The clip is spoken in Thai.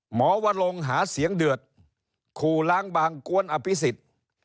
หมอวะลงหาเสียงเดือดขู่ล้างบางกวนอภิษฎ